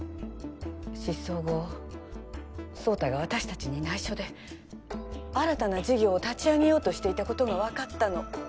失踪後宗太が私たちに内緒で新たな事業を立ち上げようとしていたことがわかったの。